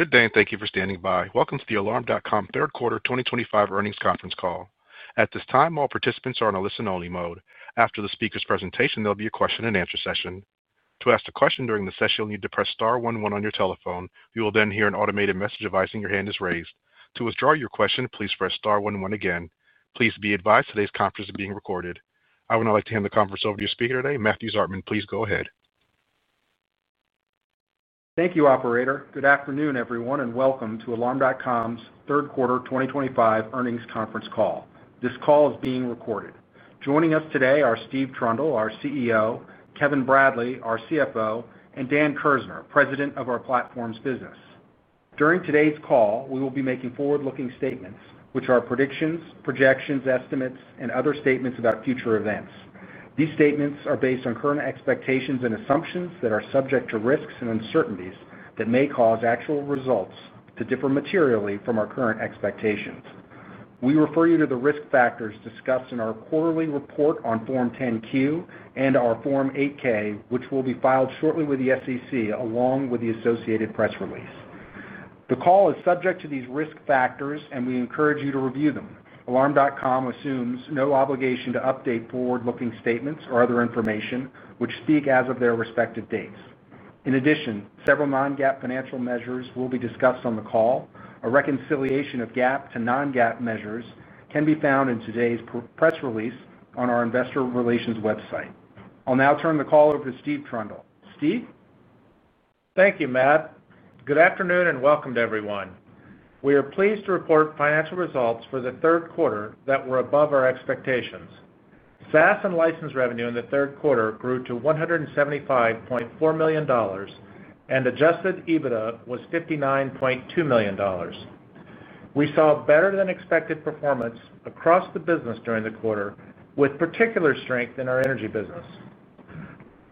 Good day, and thank you for standing by. Welcome to the Alarm.com Third Quarter 2025 Earnings Conference Call. At this time, all participants are on a listen-only mode. After the speaker's presentation, there'll be a question-and-answer session. To ask a question during the session, you'll need to press star 11 on your telephone. You will then hear an automated message advising your hand is raised. To withdraw your question, please press star 11 again. Please be advised today's conference is being recorded. I would now like to hand the conference over to your speaker today, Matthew Zartman. Please go ahead. Thank you, Operator. Good afternoon, everyone, and welcome to Alarm.com's Third Quarter 2025 Earnings Conference Call. This call is being recorded. Joining us today are Steve Trundle, our CEO; Kevin Bradley, our CFO; and Dan Kirzner, President of our platform's business. During today's call, we will be making forward-looking statements, which are predictions, projections, estimates, and other statements about future events. These statements are based on current expectations and assumptions that are subject to risks and uncertainties that may cause actual results to differ materially from our current expectations. We refer you to the risk factors discussed in our quarterly report on Form 10Q and our Form 8K, which will be filed shortly with the SEC, along with the associated press release. The call is subject to these risk factors, and we encourage you to review them. Alarm.com assumes no obligation to update forward-looking statements or other information which speak as of their respective dates. In addition, several non-GAAP financial measures will be discussed on the call. A reconciliation of GAAP to non-GAAP measures can be found in today's press release on our investor relations website. I'll now turn the call over to Steve Trundle. Steve. Thank you, Matt. Good afternoon and welcome to everyone. We are pleased to report financial results for the third quarter that were above our expectations. SaaS and license revenue in the third quarter grew to $175.4 million. Adjusted EBITDA was $59.2 million. We saw better-than-expected performance across the business during the quarter, with particular strength in our energy business.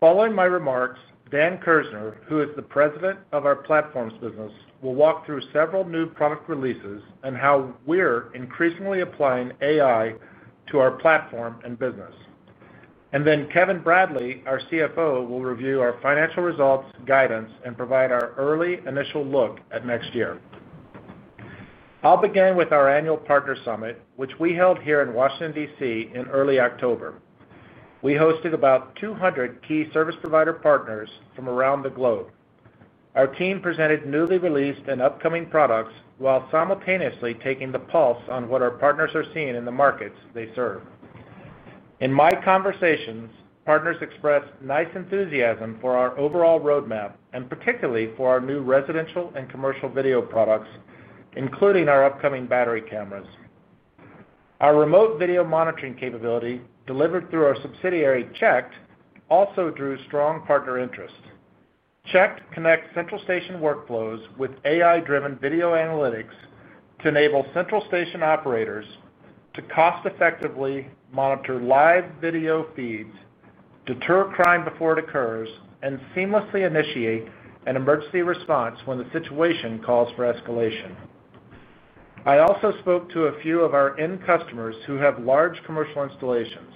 Following my remarks, Dan Kirzner, who is the President of our platform's business, will walk through several new product releases and how we're increasingly applying AI to our platform and business. Kevin Bradley, our CFO, will review our financial results, guidance, and provide our early initial look at next year. I'll begin with our annual partner summit, which we held here in Washington, DC, in early October. We hosted about 200 key service provider partners from around the globe. Our team presented newly released and upcoming products while simultaneously taking the pulse on what our partners are seeing in the markets they serve. In my conversations, partners expressed nice enthusiasm for our overall roadmap and particularly for our new residential and commercial video products, including our upcoming battery cameras. Our remote video monitoring capability, delivered through our subsidiary, Chekt, also drew strong partner interest. Chekt connects Central Station workflows with AI-driven video analytics to enable Central Station operators to cost-effectively monitor live video feeds, deter crime before it occurs, and seamlessly initiate an emergency response when the situation calls for escalation. I also spoke to a few of our end customers who have large commercial installations.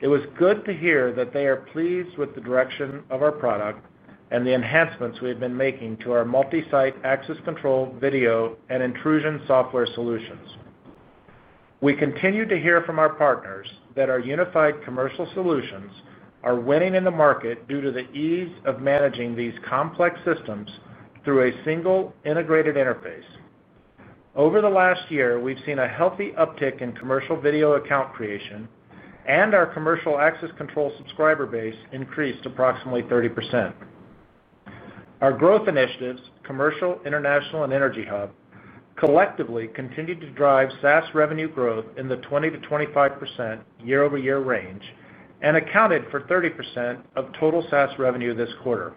It was good to hear that they are pleased with the direction of our product and the enhancements we have been making to our multi-site access control video and intrusion software solutions. We continue to hear from our partners that our unified commercial solutions are winning in the market due to the ease of managing these complex systems through a single integrated interface. Over the last year, we've seen a healthy uptick in commercial video account creation, and our commercial access control subscriber base increased approximately 30%. Our growth initiatives, Commercial, International, and Energy Hub, collectively continue to drive SaaS revenue growth in the 20-25% year-over-year range and accounted for 30% of total SaaS revenue this quarter.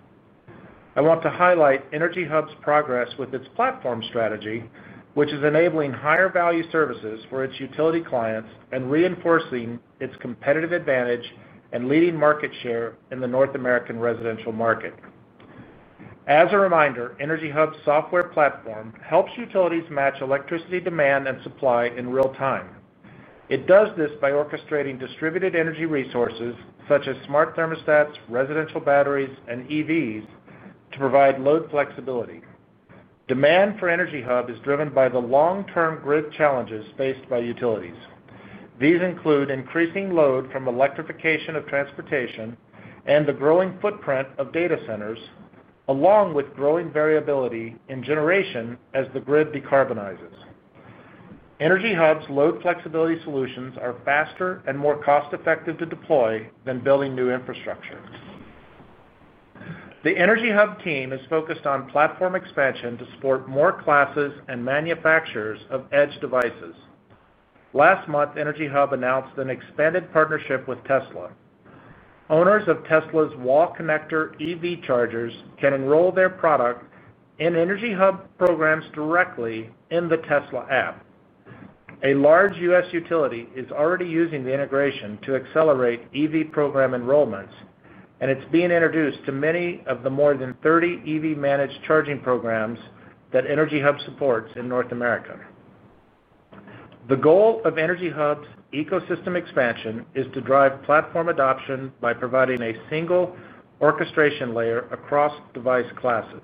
I want to highlight Energy Hub's progress with its platform strategy, which is enabling higher-value services for its utility clients and reinforcing its competitive advantage and leading market share in the North American residential market. As a reminder, Energy Hub's software platform helps utilities match electricity demand and supply in real time. It does this by orchestrating distributed energy resources such as smart thermostats, residential batteries, and EVs to provide load flexibility. Demand for Energy Hub is driven by the long-term grid challenges faced by utilities. These include increasing load from electrification of transportation and the growing footprint of data centers, along with growing variability in generation as the grid decarbonizes. Energy Hub's load flexibility solutions are faster and more cost-effective to deploy than building new infrastructure. The Energy Hub team is focused on platform expansion to support more classes and manufacturers of edge devices. Last month, Energy Hub announced an expanded partnership with Tesla. Owners of Tesla's Wall Connector EV chargers can enroll their product in Energy Hub programs directly in the Tesla app. A large U.S. Utility is already using the integration to accelerate EV program enrollments, and it's being introduced to many of the more than 30 EV-managed charging programs that Energy Hub supports in North America. The goal of Energy Hub's ecosystem expansion is to drive platform adoption by providing a single orchestration layer across device classes.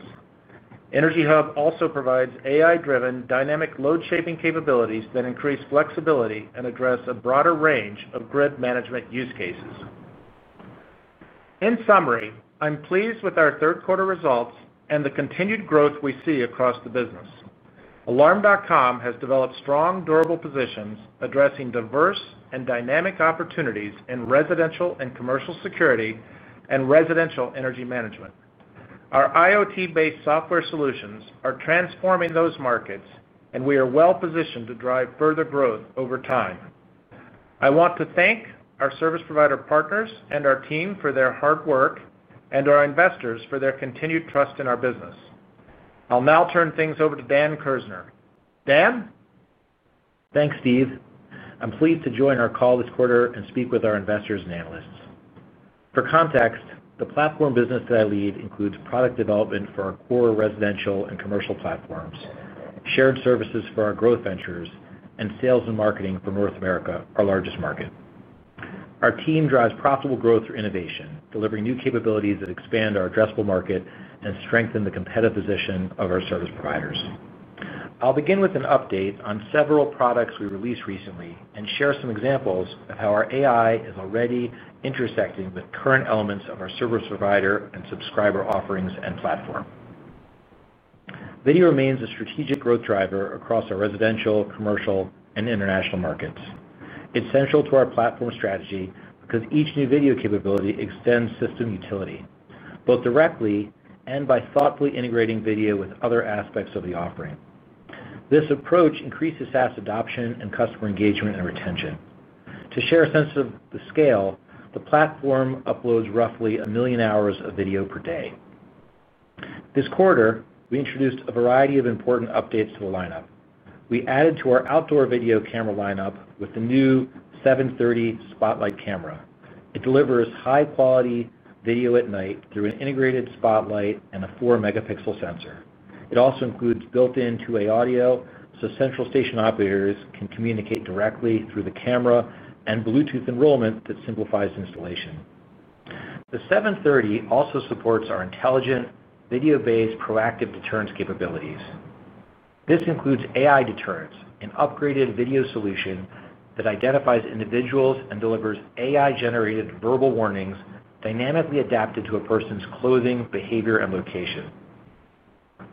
Energy Hub also provides AI-driven dynamic load shaping capabilities that increase flexibility and address a broader range of grid management use cases. In summary, I'm pleased with our third quarter results and the continued growth we see across the business. Alarm.com has developed strong, durable positions addressing diverse and dynamic opportunities in residential and commercial security and residential energy management. Our IoT-based software solutions are transforming those markets, and we are well-positioned to drive further growth over time. I want to thank our service provider partners and our team for their hard work and our investors for their continued trust in our business. I'll now turn things over to Dan Kirzner. Dan. Thanks, Steve. I'm pleased to join our call this quarter and speak with our investors and analysts. For context, the platform business that I lead includes product development for our core residential and commercial platforms, shared services for our growth ventures, and sales and marketing for North America, our largest market. Our team drives profitable growth through innovation, delivering new capabilities that expand our addressable market and strengthen the competitive position of our service providers. I'll begin with an update on several products we released recently and share some examples of how our AI is already intersecting with current elements of our service provider and subscriber offerings and platform. Video remains a strategic growth driver across our residential, commercial, and international markets. It's central to our platform strategy because each new video capability extends system utility, both directly and by thoughtfully integrating video with other aspects of the offering. This approach increases SaaS adoption and customer engagement and retention. To share a sense of the scale, the platform uploads roughly a million hours of video per day. This quarter, we introduced a variety of important updates to the lineup. We added to our outdoor video camera lineup with the new 730 Spotlight camera. It delivers high-quality video at night through an integrated spotlight and a 4-megapixel sensor. It also includes built-in 2-way audio so Central Station operators can communicate directly through the camera and Bluetooth enrollment that simplifies installation. The 730 also supports our intelligent video-based proactive deterrence capabilities. This includes AI deterrence, an upgraded video solution that identifies individuals and delivers AI-generated verbal warnings dynamically adapted to a person's clothing, behavior, and location.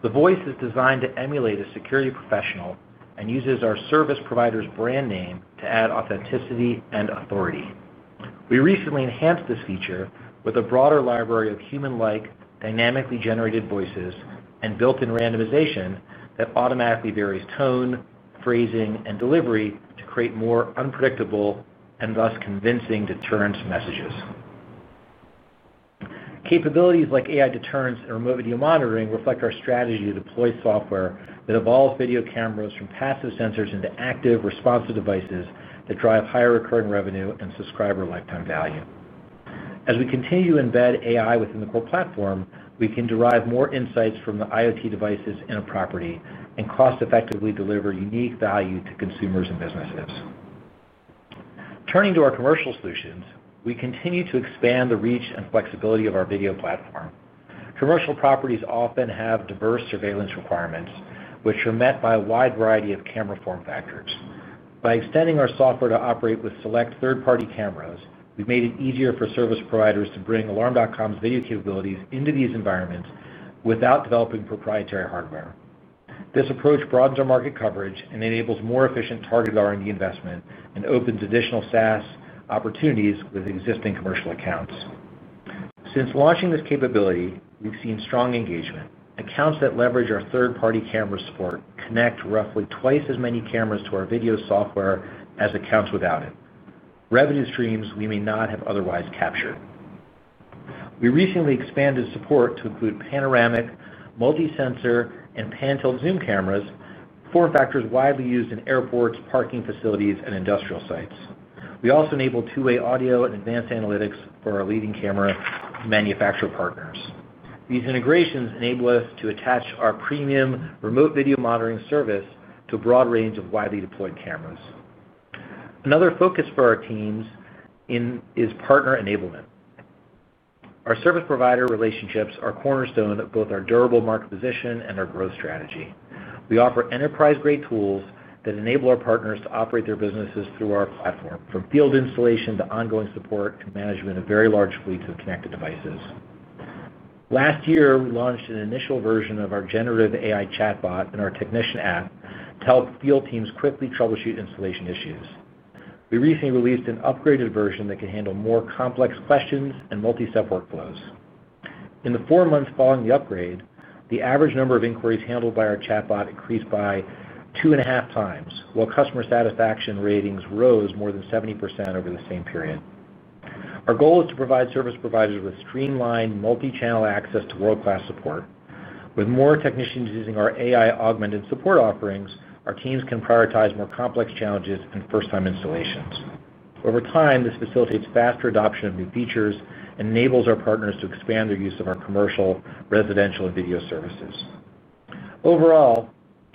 The voice is designed to emulate a security professional and uses our service provider's brand name to add authenticity and authority. We recently enhanced this feature with a broader library of human-like, dynamically generated voices and built-in randomization that automatically varies tone, phrasing, and delivery to create more unpredictable and thus convincing deterrence messages. Capabilities like AI deterrence and remote video monitoring reflect our strategy to deploy software that evolves video cameras from passive sensors into active responsive devices that drive higher recurring revenue and subscriber lifetime value. As we continue to embed AI within the core platform, we can derive more insights from the IoT devices in a property and cost-effectively deliver unique value to consumers and businesses. Turning to our commercial solutions, we continue to expand the reach and flexibility of our video platform. Commercial properties often have diverse surveillance requirements, which are met by a wide variety of camera form factors. By extending our software to operate with select third-party cameras, we've made it easier for service providers to bring Alarm.com's video capabilities into these environments without developing proprietary hardware. This approach broadens our market coverage and enables more efficient targeted R&D investment and opens additional SaaS opportunities with existing commercial accounts. Since launching this capability, we've seen strong engagement. Accounts that leverage our third-party camera support connect roughly twice as many cameras to our video software as accounts without it. Revenue streams we may not have otherwise captured. We recently expanded support to include panoramic, multi-sensor, and pan-tilt zoom cameras, form factors widely used in airports, parking facilities, and industrial sites. We also enabled two-way audio and advanced analytics for our leading camera manufacturer partners. These integrations enable us to attach our premium remote video monitoring service to a broad range of widely deployed cameras. Another focus for our teams. Is partner enablement. Our service provider relationships are cornerstone of both our durable market position and our growth strategy. We offer enterprise-grade tools that enable our partners to operate their businesses through our platform, from field installation to ongoing support and management of very large fleets of connected devices. Last year, we launched an initial version of our generative AI chatbot and our technician app to help field teams quickly troubleshoot installation issues. We recently released an upgraded version that can handle more complex questions and multi-step workflows. In the four months following the upgrade, the average number of inquiries handled by our chatbot increased by two and a half times, while customer satisfaction ratings rose more than 70% over the same period. Our goal is to provide service providers with streamlined multi-channel access to world-class support. With more technicians using our AI-augmented support offerings, our teams can prioritize more complex challenges and first-time installations. Over time, this facilitates faster adoption of new features and enables our partners to expand their use of our commercial, residential, and video services. Overall,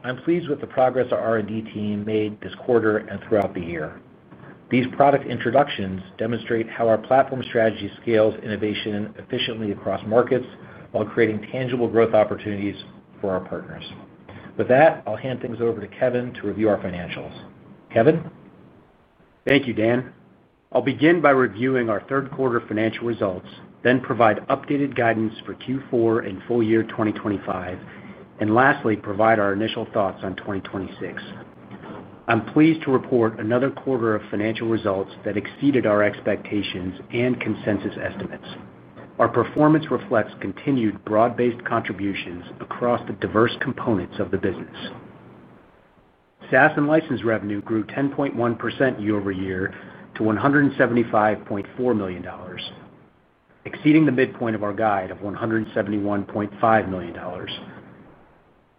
I'm pleased with the progress our R&D team made this quarter and throughout the year. These product introductions demonstrate how our platform strategy scales innovation efficiently across markets while creating tangible growth opportunities for our partners. With that, I'll hand things over to Kevin to review our financials. Kevin. Thank you, Dan. I'll begin by reviewing our third-quarter financial results, then provide updated guidance for Q4 and full year 2025, and lastly, provide our initial thoughts on 2026. I'm pleased to report another quarter of financial results that exceeded our expectations and consensus estimates. Our performance reflects continued broad-based contributions across the diverse components of the business. SaaS and license revenue grew 10.1% year-over-year to $175.4 million. Exceeding the midpoint of our guide of $171.5 million.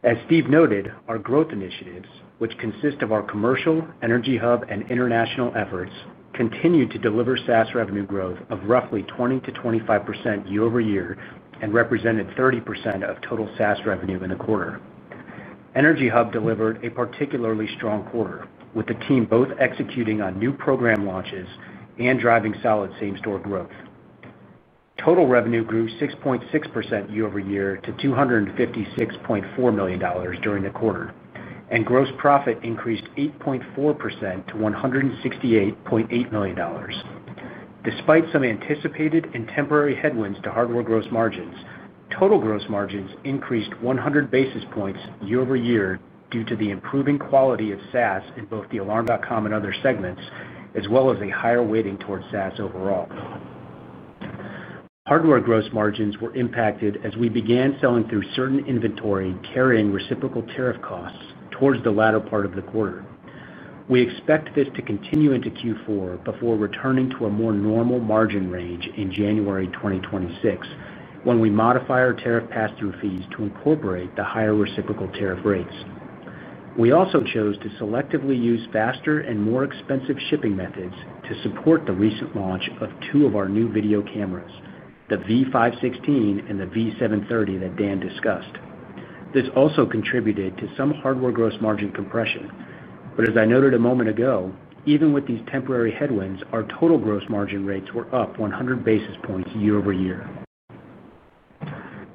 As Steve noted, our growth initiatives, which consist of our commercial, Energy Hub, and international efforts, continued to deliver SaaS revenue growth of roughly 20-25% year-over-year and represented 30% of total SaaS revenue in the quarter. Energy Hub delivered a particularly strong quarter, with the team both executing on new program launches and driving solid same-store growth. Total revenue grew 6.6% year-over-year to $256.4 million during the quarter, and gross profit increased 8.4% to $168.8 million. Despite some anticipated and temporary headwinds to hardware gross margins, total gross margins increased 100 basis points year-over-year due to the improving quality of SaaS in both the Alarm.com and other segments, as well as a higher weighting towards SaaS overall. Hardware gross margins were impacted as we began selling through certain inventory and carrying reciprocal tariff costs towards the latter part of the quarter. We expect this to continue into Q4 before returning to a more normal margin range in January 2026 when we modify our tariff pass-through fees to incorporate the higher reciprocal tariff rates. We also chose to selectively use faster and more expensive shipping methods to support the recent launch of two of our new video cameras, the V516 and the V730 that Dan discussed. This also contributed to some hardware gross margin compression. As I noted a moment ago, even with these temporary headwinds, our total gross margin rates were up 100 basis points year-over-year.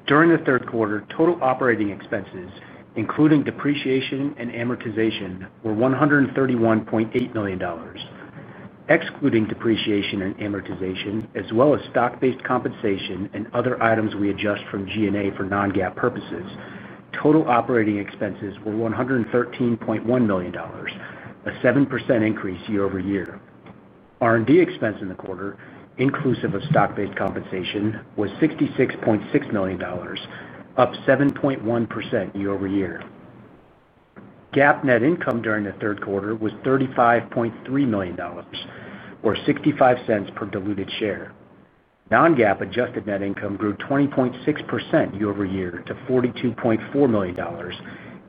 During the third quarter, total operating expenses, including depreciation and amortization, were $131.8 million. Excluding depreciation and amortization, as well as stock-based compensation and other items we adjust from G&A for non-GAAP purposes, total operating expenses were $113.1 million, a 7% increase year-over-year. R&D expense in the quarter, inclusive of stock-based compensation, was $66.6 million, up 7.1% year-over-year. GAAP net income during the third quarter was $35.3 million, or 65 cents per diluted share. Non-GAAP adjusted net income grew 20.6% year-over-year to $42.4 million,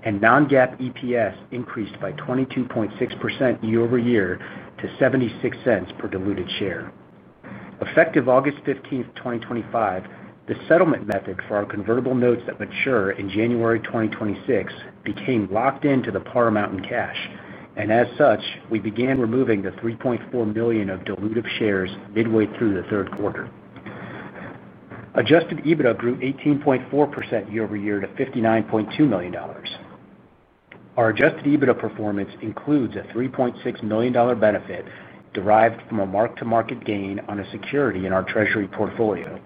and non-GAAP EPS increased by 22.6% year-over-year to 76 cents per diluted share. Effective August 15th, 2025, the settlement method for our convertible notes that mature in January 2026 became locked into the paramount in cash, and as such, we began removing the 3.4 million of dilutive shares midway through the third quarter. Adjusted EBITDA grew 18.4% year-over-year to $59.2 million. Our adjusted EBITDA performance includes a $3.6 million benefit derived from a mark-to-market gain on a security in our treasury portfolio.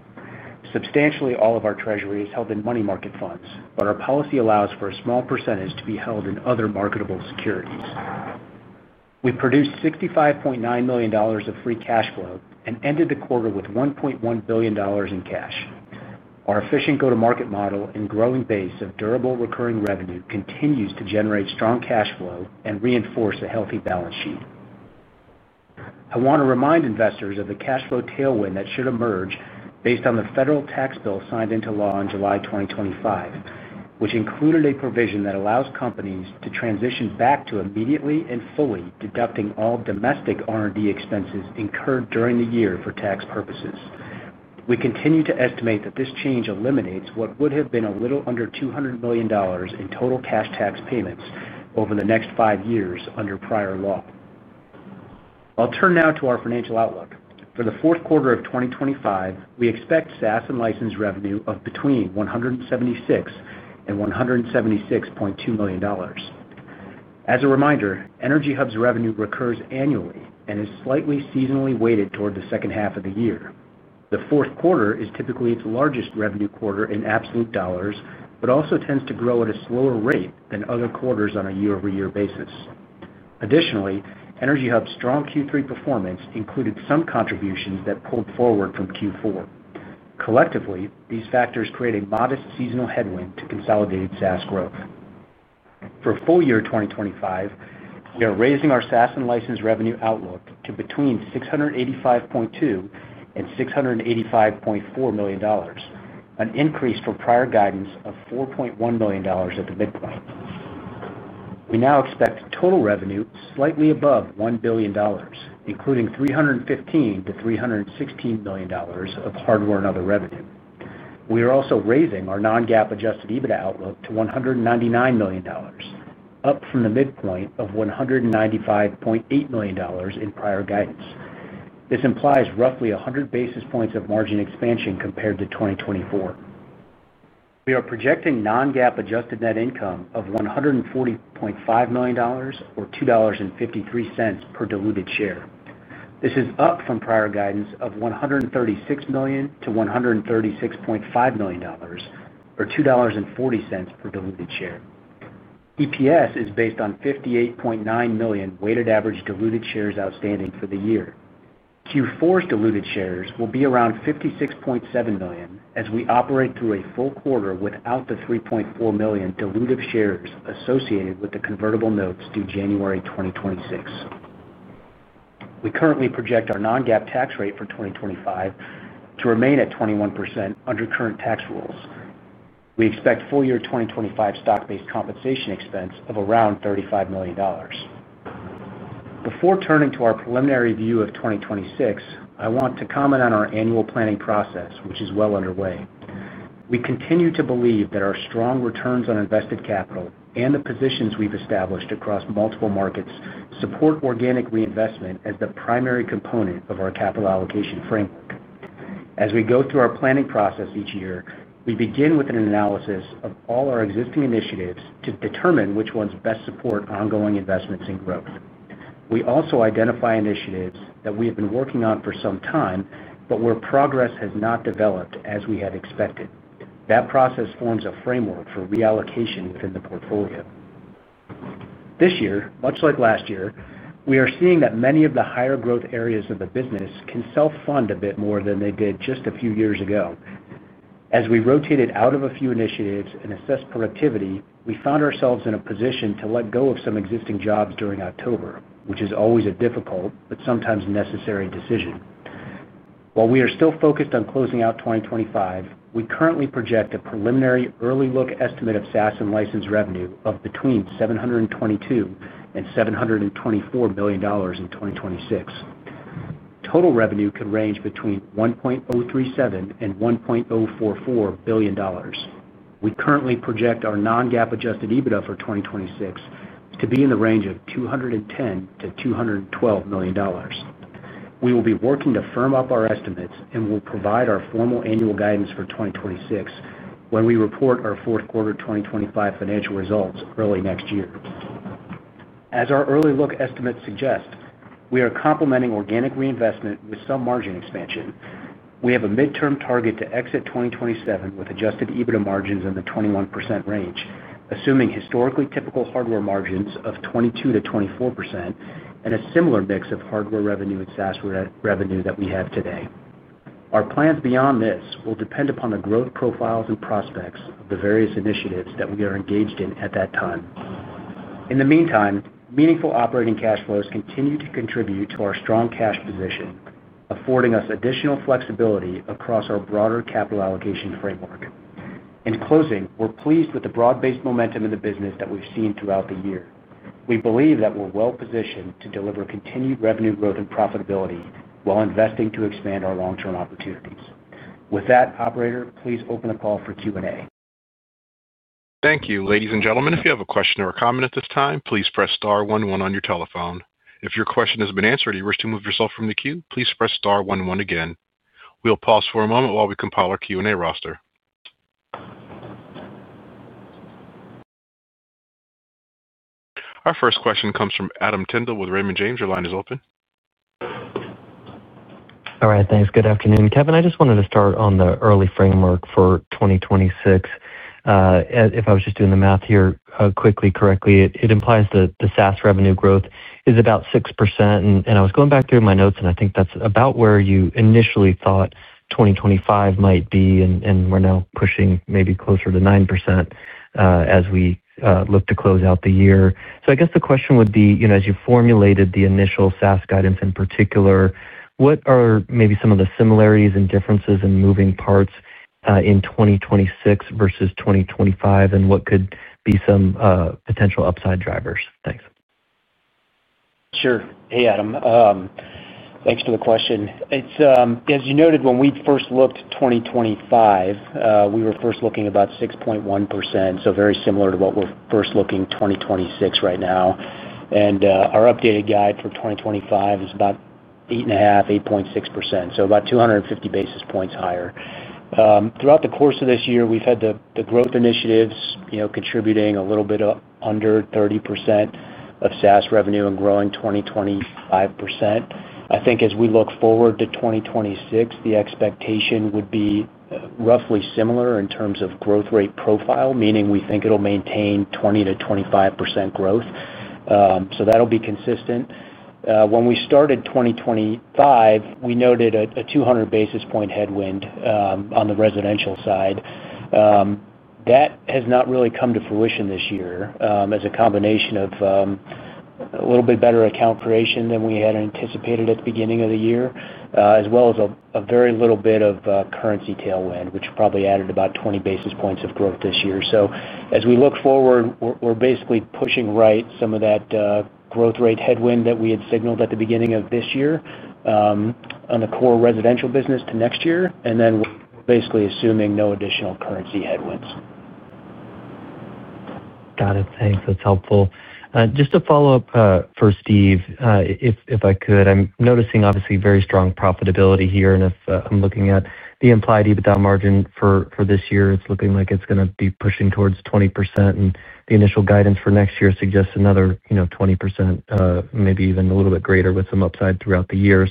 Substantially all of our treasury is held in money market funds, but our policy allows for a small percentage to be held in other marketable securities. We produced $65.9 million of free cash flow and ended the quarter with $1.1 billion in cash. Our efficient go-to-market model and growing base of durable recurring revenue continues to generate strong cash flow and reinforce a healthy balance sheet. I want to remind investors of the cash flow tailwind that should emerge based on the federal tax bill signed into law in July 2025, which included a provision that allows companies to transition back to immediately and fully deducting all domestic R&D expenses incurred during the year for tax purposes. We continue to estimate that this change eliminates what would have been a little under $200 million in total cash tax payments over the next five years under prior law. I'll turn now to our financial outlook. For the fourth quarter of 2025, we expect SaaS and license revenue of between $176 million and $176.2 million. As a reminder, EnergyHub's revenue recurs annually and is slightly seasonally weighted toward the second half of the year. The fourth quarter is typically its largest revenue quarter in absolute dollars, but also tends to grow at a slower rate than other quarters on a year-over-year basis. Additionally, Energy Hub's strong Q3 performance included some contributions that pulled forward from Q4. Collectively, these factors create a modest seasonal headwind to consolidated SaaS growth. For full year 2025, we are raising our SaaS and license revenue outlook to between $685.2-$685.4 million, an increase from prior guidance of $4.1 million at the midpoint. We now expect total revenue slightly above $1 billion, including $315-$316 million of hardware and other revenue. We are also raising our non-GAAP adjusted EBITDA outlook to $199 million, up from the midpoint of $195.8 million in prior guidance. This implies roughly 100 basis points of margin expansion compared to 2024. We are projecting non-GAAP adjusted net income of $140.5 million, or $2.53 per diluted share. This is up from prior guidance of $136 million-$136.5 million, or $2.40 per diluted share. EPS is based on 58.9 million weighted average diluted shares outstanding for the year. Q4's diluted shares will be around 56.7 million as we operate through a full quarter without the 3.4 million dilutive shares associated with the convertible notes through January 2026. We currently project our non-GAAP tax rate for 2025 to remain at 21% under current tax rules. We expect full year 2025 stock-based compensation expense of around $35 million. Before turning to our preliminary view of 2026, I want to comment on our annual planning process, which is well underway. We continue to believe that our strong returns on invested capital and the positions we have established across multiple markets support organic reinvestment as the primary component of our capital allocation framework. As we go through our planning process each year, we begin with an analysis of all our existing initiatives to determine which ones best support ongoing investments and growth. We also identify initiatives that we have been working on for some time, but where progress has not developed as we had expected. That process forms a framework for reallocation within the portfolio. This year, much like last year, we are seeing that many of the higher growth areas of the business can self-fund a bit more than they did just a few years ago. As we rotated out of a few initiatives and assessed productivity, we found ourselves in a position to let go of some existing jobs during October, which is always a difficult but sometimes necessary decision. While we are still focused on closing out 2025, we currently project a preliminary early-look estimate of SaaS and license revenue of between $722 million and $724 million in 2026. Total revenue could range between $1.037 billion and $1.044 billion. We currently project our non-GAAP adjusted EBITDA for 2026 to be in the range of $210 million-$212 million. We will be working to firm up our estimates and will provide our formal annual guidance for 2026 when we report our fourth quarter 2025 financial results early next year. As our early-look estimates suggest, we are complementing organic reinvestment with some margin expansion. We have a midterm target to exit 2027 with adjusted EBITDA margins in the 21% range, assuming historically typical hardware margins of 22-24% and a similar mix of hardware revenue and SaaS revenue that we have today. Our plans beyond this will depend upon the growth profiles and prospects of the various initiatives that we are engaged in at that time. In the meantime, meaningful operating cash flows continue to contribute to our strong cash position, affording us additional flexibility across our broader capital allocation framework. In closing, we're pleased with the broad-based momentum in the business that we've seen throughout the year. We believe that we're well-positioned to deliver continued revenue growth and profitability while investing to expand our long-term opportunities. With that, Operator, please open the call for Q&A. Thank you. Ladies and gentlemen, if you have a question or a comment at this time, please press star 11 on your telephone. If your question has been answered and you wish to remove yourself from the queue, please press star 11 again. We'll pause for a moment while we compile our Q&A roster. Our first question comes from Adam Tyndall with Raymond James. Your line is open. All right. Thanks. Good afternoon. Kevin, I just wanted to start on the early framework for 2026. If I was just doing the math here quickly, correctly, it implies that the SaaS revenue growth is about 6%. And I was going back through my notes, and I think that's about where you initially thought 2025 might be, and we're now pushing maybe closer to 9% as we look to close out the year. I guess the question would be, as you formulated the initial SaaS guidance in particular, what are maybe some of the similarities and differences in moving parts in 2026 versus 2025, and what could be some potential upside drivers? Thanks. Sure. Hey, Adam. Thanks for the question. As you noted, when we first looked at 2025, we were first looking at about 6.1%, so very similar to what we're first looking at 2026 right now. And our updated guide for 2025 is about 8.5-8.6%, so about 250 basis points higher. Throughout the course of this year, we've had the growth initiatives contributing a little bit under 30% of SaaS revenue and growing 20%. I think as we look forward to 2026, the expectation would be roughly similar in terms of growth rate profile, meaning we think it'll maintain 20-25% growth. That'll be consistent. When we started 2025, we noted a 200 basis point headwind on the residential side. That has not really come to fruition this year as a combination of. A little bit better account creation than we had anticipated at the beginning of the year, as well as a very little bit of currency tailwind, which probably added about 20 basis points of growth this year. As we look forward, we're basically pushing right some of that growth rate headwind that we had signaled at the beginning of this year on the core residential business to next year, and then we're basically assuming no additional currency headwinds. Got it. Thanks. That's helpful. Just to follow up for Steve, if I could, I'm noticing obviously very strong profitability here. If I'm looking at the implied EBITDA margin for this year, it's looking like it's going to be pushing towards 20%. The initial guidance for next year suggests another 20%, maybe even a little bit greater with some upside throughout the year.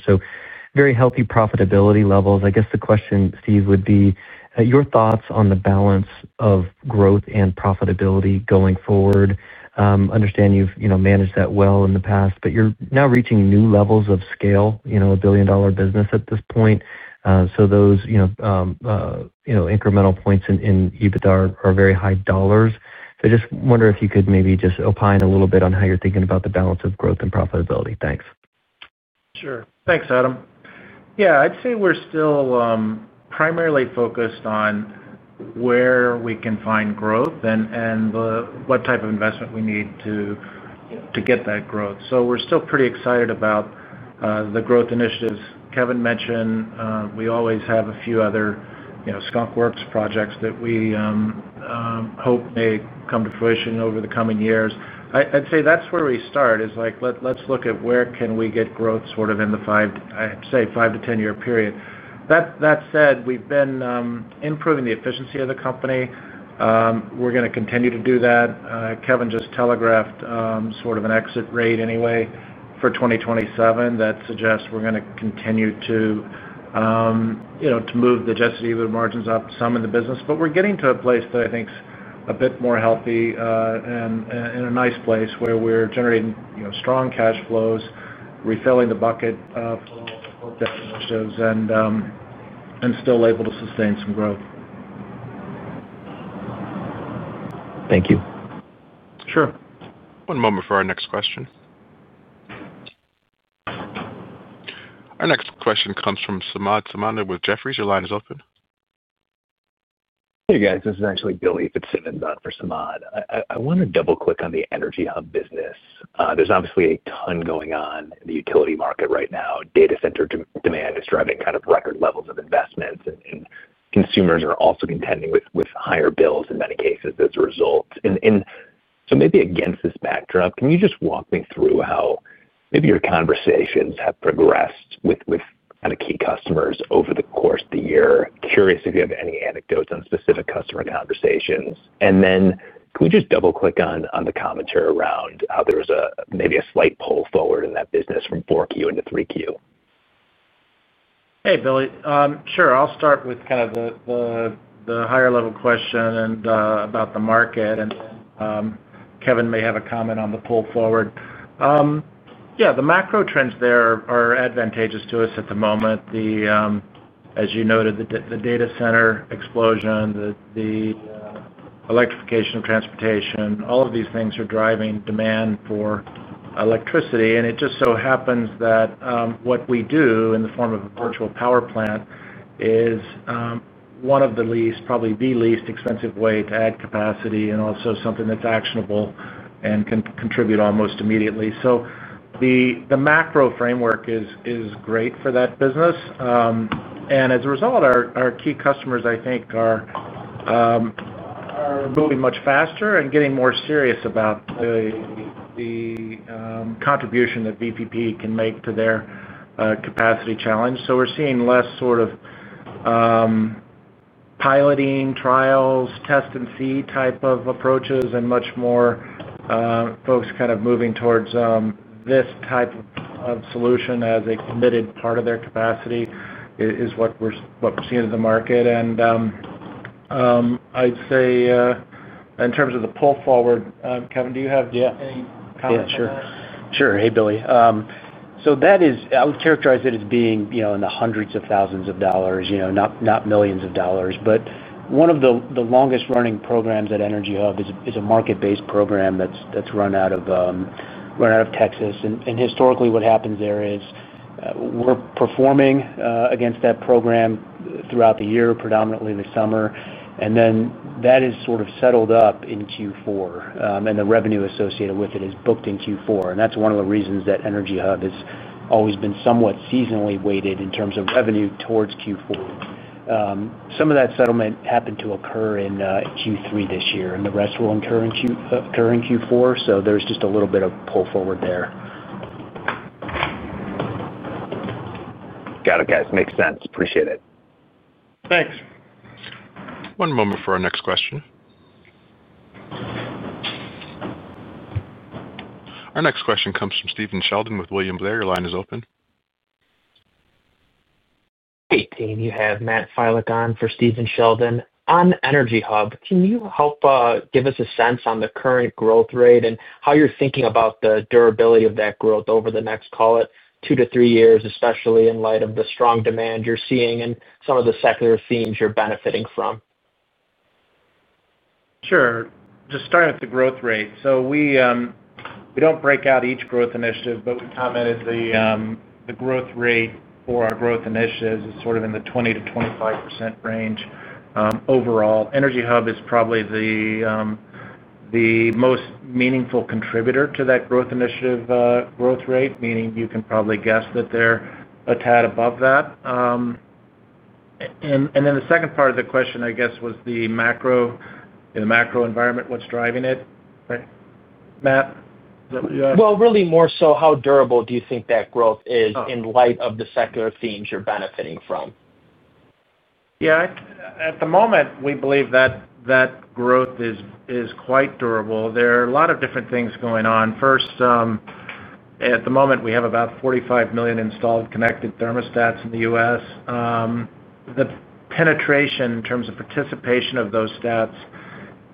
Very healthy profitability levels. I guess the question, Steve, would be your thoughts on the balance of growth and profitability going forward. I understand you've managed that well in the past, but you're now reaching new levels of scale, a billion-dollar business at this point. Those incremental points in EBITDA are very high dollars. I just wonder if you could maybe just opine a little bit on how you're thinking about the balance of growth and profitability. Thanks. Sure. Thanks, Adam. Yeah, I'd say we're still primarily focused on where we can find growth and what type of investment we need to get that growth. So we're still pretty excited about the growth initiatives. Kevin mentioned we always have a few other Skunk Works projects that we hope may come to fruition over the coming years. I'd say that's where we start, is like, let's look at where can we get growth sort of in the, I'd say, 5- to 10-year period. That said, we've been improving the efficiency of the company. We're going to continue to do that. Kevin just telegraphed sort of an exit rate anyway for 2027 that suggests we're going to continue to move the adjusted EBITDA margins up some in the business. We're getting to a place that I think is a bit more healthy and in a nice place where we're generating strong cash flows, refilling the bucket for our growth definitions, and still able to sustain some growth. Thank you. Sure. One moment for our next question. Our next question comes from Billy Fitzsimmons with Jefferies. Your line is open. Hey, guys. This is actually Billy Fitzsimmons for Samad. I want to double-click on the Energy Hub business. There's obviously a ton going on in the utility market right now. Data center demand is driving kind of record levels of investments, and consumers are also contending with higher bills in many cases as a result. Maybe against this backdrop, can you just walk me through how maybe your conversations have progressed with kind of key customers over the course of the year? Curious if you have any anecdotes on specific customer conversations. Can we just double-click on the commentary around how there was maybe a slight pull forward in that business from 4Q into 3Q? Hey, Billy. Sure. I'll start with kind of the higher-level question about the market. Kevin may have a comment on the pull forward. Yeah, the macro trends there are advantageous to us at the moment. As you noted, the data center explosion, the electrification of transportation, all of these things are driving demand for electricity. It just so happens that what we do in the form of a virtual power plant is one of the least, probably the least expensive way to add capacity and also something that's actionable and can contribute almost immediately. The macro framework is great for that business. As a result, our key customers, I think, are moving much faster and getting more serious about the contribution that VPP can make to their capacity challenge. We're seeing less sort of. Piloting trials, test and see type of approaches, and much more. Folks kind of moving towards this type of solution as a committed part of their capacity is what we're seeing in the market. I'd say in terms of the pull forward, Kevin, do you have any comment on that? Yeah, sure. Hey, Billy. I would characterize it as being in the hundreds of thousands of dollars, not millions of dollars. One of the longest-running programs at Energy Hub is a market-based program that's run out of Texas. Historically, what happens there is we're performing against that program throughout the year, predominantly the summer. That is sort of settled up in Q4, and the revenue associated with it is booked in Q4. That is one of the reasons that Energy Hub has always been somewhat seasonally weighted in terms of revenue towards Q4. Some of that settlement happened to occur in Q3 this year, and the rest will occur in Q4. There is just a little bit of pull forward there. Got it, guys. Makes sense. Appreciate it. Thanks. One moment for our next question. Our next question comes from Matt Filecon with William Blair. Your line is open. Hey, team. You have Matt Filecon for Steven Sheldon. On Energy Hub, can you help give us a sense on the current growth rate and how you're thinking about the durability of that growth over the next, call it, two to three years, especially in light of the strong demand you're seeing and some of the secular themes you're benefiting from? Sure. Just starting with the growth rate. We do not break out each growth initiative, but we commented the growth rate for our growth initiatives is sort of in the 20-25% range overall. Energy Hub is probably the most meaningful contributor to that growth initiative growth rate, meaning you can probably guess that they are a tad above that. The second part of the question, I guess, was the macro environment, what is driving it. Matt, is that what you asked? Really more so how durable do you think that growth is in light of the secular themes you're benefiting from? Yeah. At the moment, we believe that growth is quite durable. There are a lot of different things going on. First, at the moment, we have about 45 million installed connected thermostats in the US. The penetration in terms of participation of those stats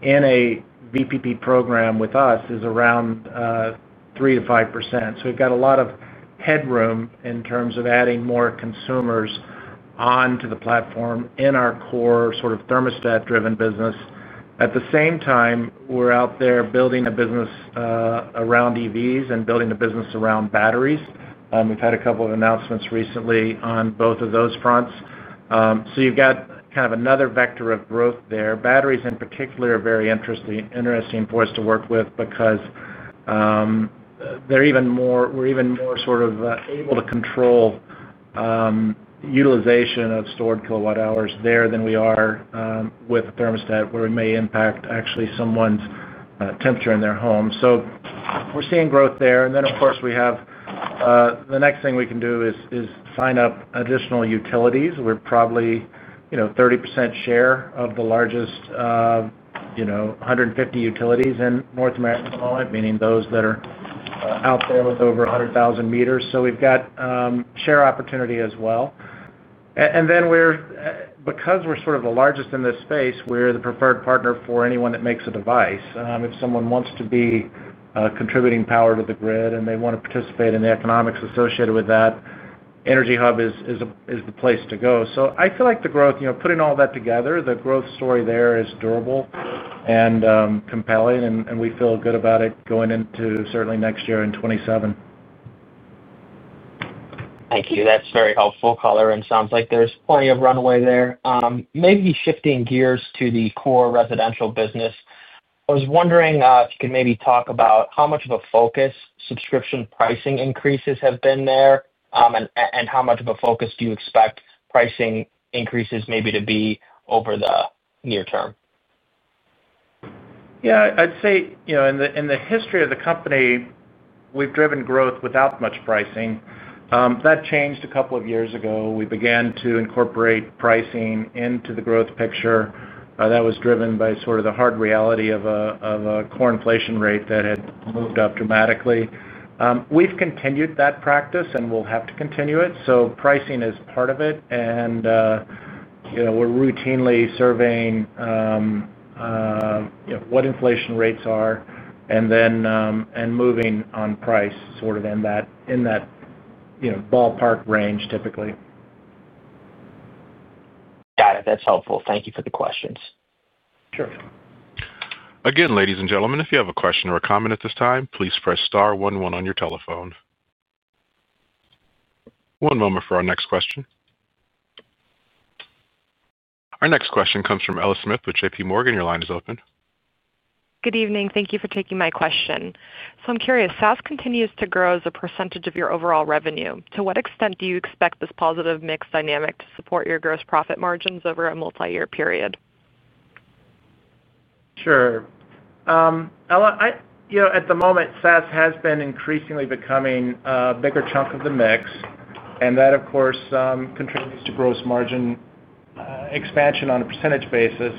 in a VPP program with us is around 3-5%. So we've got a lot of headroom in terms of adding more consumers onto the platform in our core sort of thermostat-driven business. At the same time, we're out there building a business around EVs and building a business around batteries. We've had a couple of announcements recently on both of those fronts. You've got kind of another vector of growth there. Batteries, in particular, are very interesting for us to work with because we're even more sort of able to control. Utilization of stored kilowatt hours there than we are with a thermostat where we may impact actually someone's temperature in their home. We are seeing growth there. The next thing we can do is sign up additional utilities. We are probably 30% share of the largest 150 utilities in North America at the moment, meaning those that are out there with over 100,000 meters. We have share opportunity as well. Because we are sort of the largest in this space, we are the preferred partner for anyone that makes a device. If someone wants to be contributing power to the grid and they want to participate in the economics associated with that, Energy Hub is the place to go. I feel like the growth, putting all that together, the growth story there is durable and compelling, and we feel good about it going into certainly next year in 2027. Thank you. That's very helpful, Collar. It sounds like there's plenty of runway there. Maybe shifting gears to the core residential business. I was wondering if you could maybe talk about how much of a focus subscription pricing increases have been there and how much of a focus do you expect pricing increases maybe to be over the near term? Yeah. I'd say in the history of the company, we've driven growth without much pricing. That changed a couple of years ago. We began to incorporate pricing into the growth picture. That was driven by sort of the hard reality of a core inflation rate that had moved up dramatically. We've continued that practice, and we'll have to continue it. Pricing is part of it. We're routinely surveying what inflation rates are and moving on price sort of in that ballpark range, typically. Got it. That's helpful. Thank you for the questions. Sure. Again, ladies and gentlemen, if you have a question or a comment at this time, please press star 11 on your telephone. One moment for our next question. Our next question comes from Ella Smith with JPMorgan. Your line is open. Good evening. Thank you for taking my question. So I'm curious, SaaS continues to grow as a percentage of your overall revenue. To what extent do you expect this positive mix dynamic to support your gross profit margins over a multi-year period? Sure. Ella, at the moment, SaaS has been increasingly becoming a bigger chunk of the mix. That, of course, contributes to gross margin expansion on a percentage basis.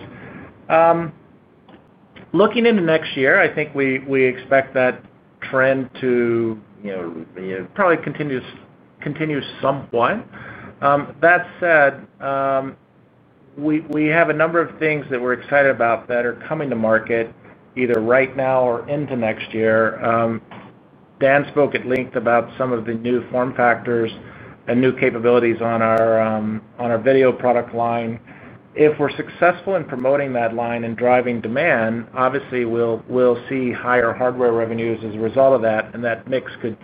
Looking into next year, I think we expect that trend to probably continue somewhat. That said, we have a number of things that we're excited about that are coming to market either right now or into next year. Dan spoke at length about some of the new form factors and new capabilities on our video product line. If we're successful in promoting that line and driving demand, obviously, we'll see higher hardware revenues as a result of that. That mix could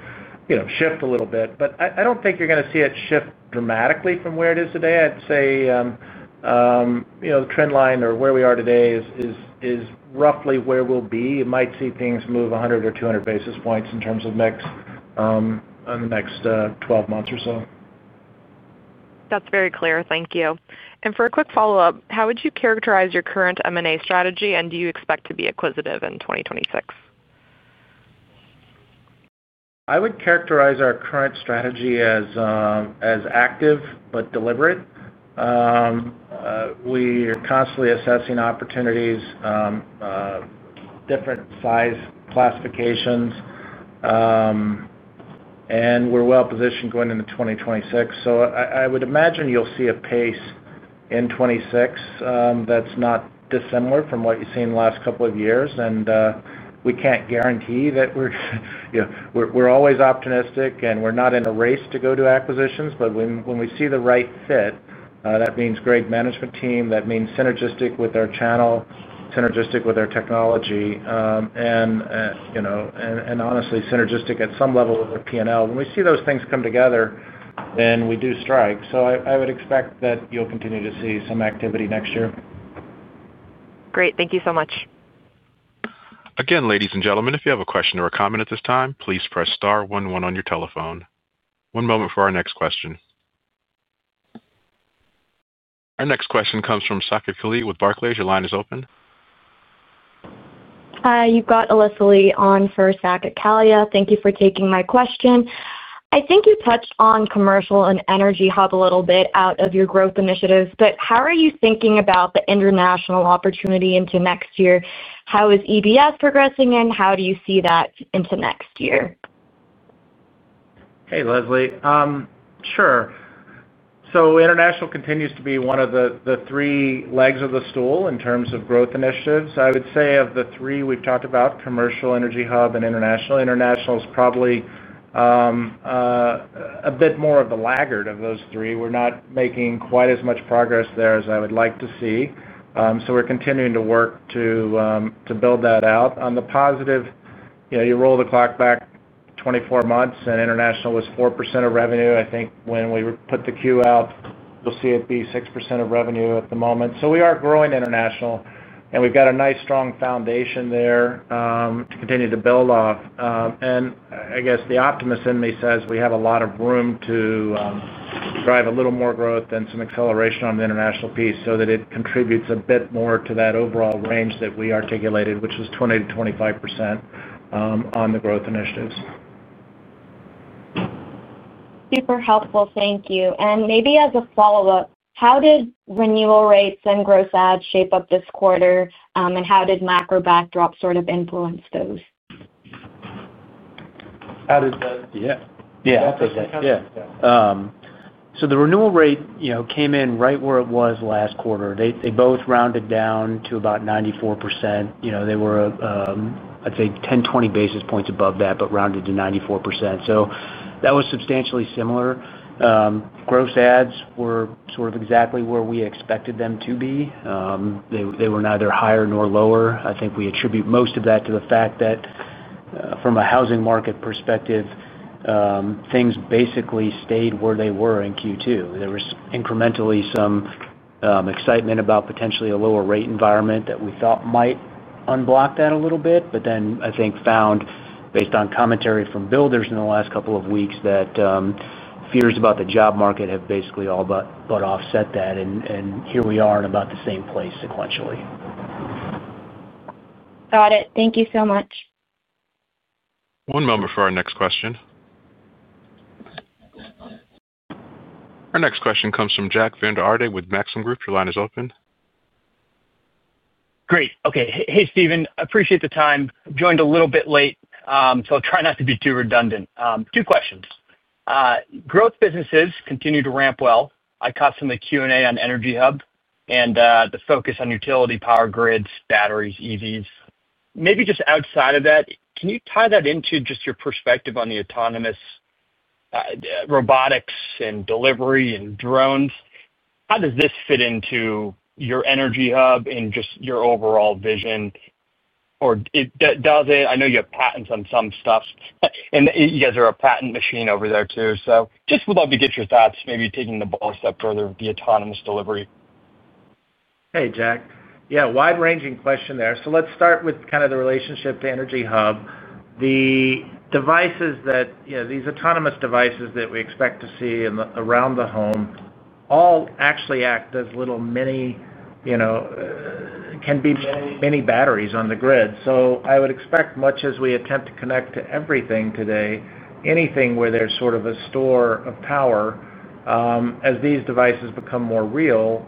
shift a little bit. I don't think you're going to see it shift dramatically from where it is today. I'd say the trend line or where we are today is roughly where we'll be. You might see things move 100 or 200 basis points in terms of mix. In the next 12 months or so. That's very clear. Thank you. For a quick follow-up, how would you characterize your current M&A strategy, and do you expect to be acquisitive in 2026? I would characterize our current strategy as active but deliberate. We are constantly assessing opportunities, different size classifications, and we're well-positioned going into 2026. I would imagine you'll see a pace in 2026 that's not dissimilar from what you've seen in the last couple of years. We can't guarantee that. We're always optimistic, and we're not in a race to go to acquisitions. When we see the right fit, that means great management team, that means synergistic with our channel, synergistic with our technology, and honestly, synergistic at some level with our P&L. When we see those things come together, then we do strike. I would expect that you'll continue to see some activity next year. Great. Thank you so much. Again, ladies and gentlemen, if you have a question or a comment at this time, please press star 11 on your telephone. One moment for our next question. Our next question comes from Alyssa Lee with Barclays. Your line is open. Hi. You've got Alyssa Lee on for Saket Kalia. Thank you for taking my question. I think you touched on commercial and Energy Hub a little bit out of your growth initiatives. How are you thinking about the international opportunity into next year? How is EBS progressing, and how do you see that into next year? Hey, Alyssa. Sure. International continues to be one of the three legs of the stool in terms of growth initiatives. I would say of the three we have talked about, commercial, Energy Hub, and international, international is probably a bit more of the laggard of those three. We are not making quite as much progress there as I would like to see. We are continuing to work to build that out. On the positive, you roll the clock back 24 months, and international was 4% of revenue. I think when we put the queue out, you will see it be 6% of revenue at the moment. We are growing international, and we have got a nice strong foundation there to continue to build off. I guess the optimist in me says we have a lot of room to. Drive a little more growth and some acceleration on the international piece so that it contributes a bit more to that overall range that we articulated, which was 20-25%. On the growth initiatives. Super helpful. Thank you. Maybe as a follow-up, how did renewal rates and gross ads shape up this quarter, and how did macro backdrop sort of influence those? How did the—yeah. Yeah, that's what I was asking. Yeah. The renewal rate came in right where it was last quarter. They both rounded down to about 94%. They were, I'd say, 10-20 basis points above that, but rounded to 94%. That was substantially similar. Gross ads were sort of exactly where we expected them to be. They were neither higher nor lower. I think we attribute most of that to the fact that, from a housing market perspective, things basically stayed where they were in Q2. There was incrementally some excitement about potentially a lower rate environment that we thought might unblock that a little bit. I think we found, based on commentary from builders in the last couple of weeks, that fears about the job market have basically all but offset that. Here we are in about the same place sequentially. Got it. Thank you so much. One moment for our next question. Our next question comes from Jack Vander Aarde with Maxim Group. Your line is open. Great. Okay. Hey, Steven. Appreciate the time. Joined a little bit late, so I'll try not to be too redundant. Two questions. Growth businesses continue to ramp well. I caught some of the Q&A on Energy Hub and the focus on utility, power grids, batteries, EVs. Maybe just outside of that, can you tie that into just your perspective on the autonomous. Robotics and delivery and drones? How does this fit into your Energy Hub and just your overall vision? Or does it? I know you have patents on some stuff, and you guys are a patent machine over there too. Just would love to get your thoughts, maybe taking the ball a step further with the autonomous delivery. Hey, Jack. Yeah, wide-ranging question there. Let's start with kind of the relationship to Energy Hub. The devices that—these autonomous devices that we expect to see around the home—all actually act as little mini, can be mini batteries on the grid. I would expect, much as we attempt to connect to everything today, anything where there's sort of a store of power. As these devices become more real,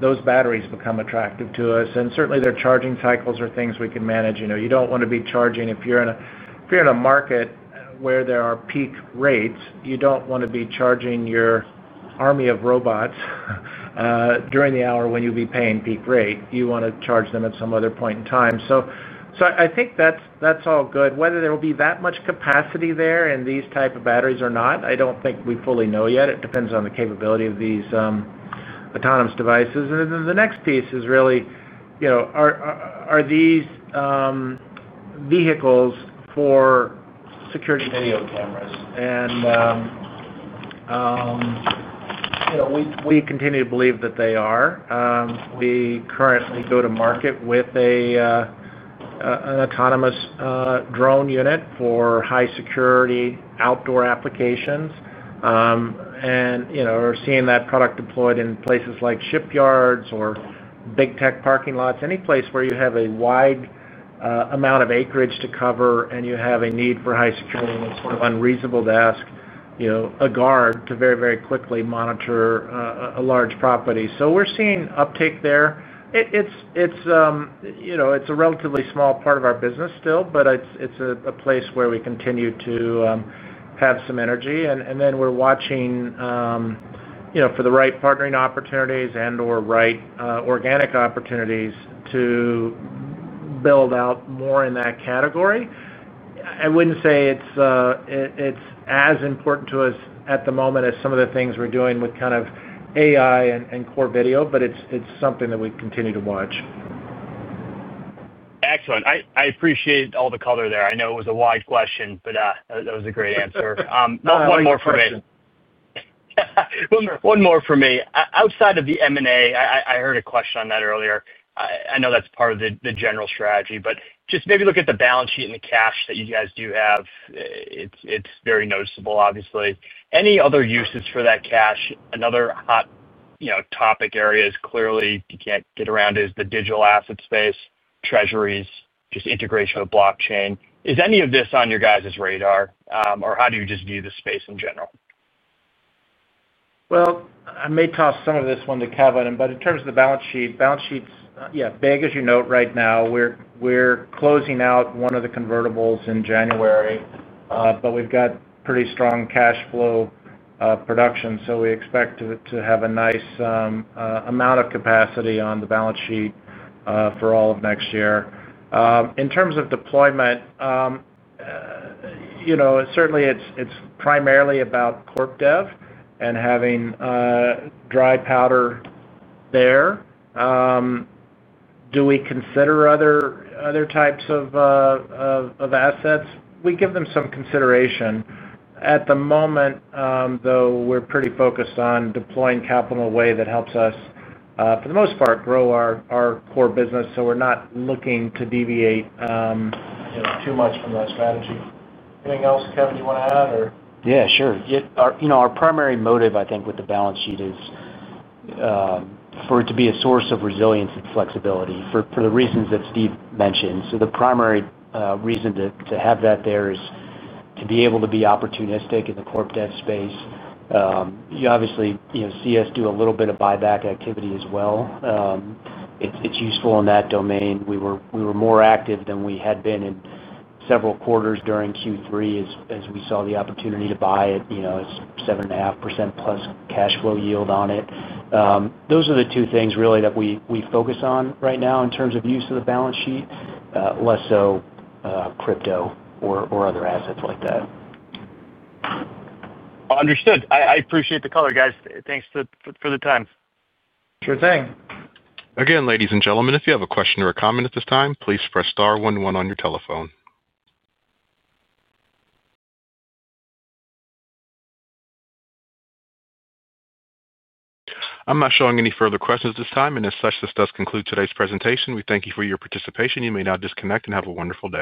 those batteries become attractive to us. Certainly, their charging cycles are things we can manage. You don't want to be charging if you're in a market where there are peak rates. You don't want to be charging your army of robots during the hour when you'll be paying peak rate. You want to charge them at some other point in time. I think that's all good. Whether there will be that much capacity there in these types of batteries or not, I do not think we fully know yet. It depends on the capability of these autonomous devices. The next piece is really, are these vehicles for security video cameras? We continue to believe that they are. We currently go to market with an autonomous drone unit for high-security outdoor applications. We are seeing that product deployed in places like shipyards or big tech parking lots, any place where you have a wide amount of acreage to cover and you have a need for high security and it is sort of unreasonable to ask a guard to very, very quickly monitor a large property. We are seeing uptake there. It is a relatively small part of our business still, but it is a place where we continue to have some energy. We are watching. For the right partnering opportunities and/or right organic opportunities to build out more in that category. I wouldn't say it's as important to us at the moment as some of the things we're doing with kind of AI and core video, but it's something that we continue to watch. Excellent. I appreciate all the color there. I know it was a wide question, but that was a great answer. One more for me. Outside of the M&A, I heard a question on that earlier. I know that's part of the general strategy, but just maybe look at the balance sheet and the cash that you guys do have. It's very noticeable, obviously. Any other uses for that cash? Another hot topic area is clearly you can't get around is the digital asset space, treasuries, just integration with blockchain. Is any of this on your guys' radar, or how do you just view the space in general? I may toss some of this one to Kevin, but in terms of the balance sheet, balance sheets, yeah, big, as you know, right now. We're closing out one of the convertibles in January, but we've got pretty strong cash flow production. We expect to have a nice amount of capacity on the balance sheet for all of next year. In terms of deployment, certainly, it's primarily about CorpDev and having dry powder there. Do we consider other types of assets? We give them some consideration. At the moment, though, we're pretty focused on deploying capital in a way that helps us, for the most part, grow our core business. We're not looking to deviate too much from that strategy. Anything else, Kevin, you want to add, or? Yeah, sure. Our primary motive, I think, with the balance sheet is for it to be a source of resilience and flexibility for the reasons that Steve mentioned. The primary reason to have that there is to be able to be opportunistic in the CorpDev space. You obviously see us do a little bit of buyback activity as well. It's useful in that domain. We were more active than we had been in several quarters during Q3 as we saw the opportunity to buy it. It's 7.5% plus cash flow yield on it. Those are the two things really that we focus on right now in terms of use of the balance sheet, less so crypto or other assets like that. Understood. I appreciate the color, guys. Thanks for the time. Sure thing. Again, ladies and gentlemen, if you have a question or a comment at this time, please press star 11 on your telephone. I'm not showing any further questions at this time. As such, this does conclude today's presentation. We thank you for your participation. You may now disconnect and have a wonderful day.